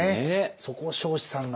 そこを彰子さんが。